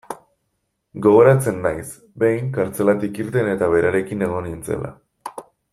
Gogoratzen naiz, behin, kartzelatik irten eta berarekin egon nintzela.